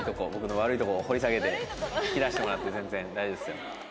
僕の悪いとこを掘り下げて引き出してもらって全然大丈夫ですよ。